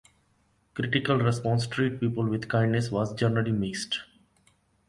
Critical response to "Treat People with Kindness" was generally mixed.